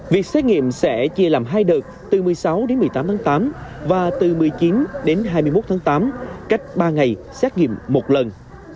việc xét nghiệm sẽ chia làm hai đợt từ một mươi sáu đến một mươi tám tháng tám và từ một mươi chín đến hai mươi một tháng tám cách ba ngày xét nghiệm một lần